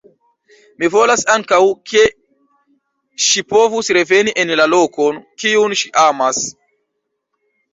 Mi volas ankaŭ, ke ŝi povu reveni en la lokon, kiun ŝi amas.